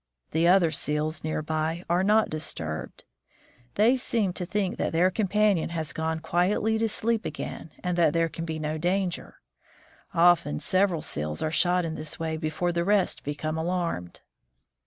The other seals near by are not disturbed. They seem to think that their companion has gone quietly to sleep again, and that there can be no danger. Often several seals are shot in this way before the rest become alarmed.